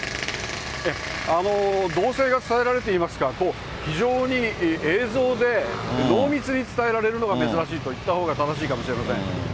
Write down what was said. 動静が伝えられていますが、非常に映像で濃密に伝えられるのが珍しいと言ったほうが正しいか